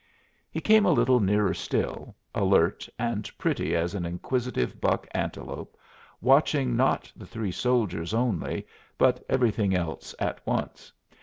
He came a little nearer still, alert and pretty as an inquisitive buck antelope, watching not the three soldiers only, but everything else at once.